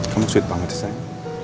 kamu sweet banget ya sayang